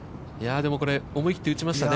でも、これ思い切って打ちましたね。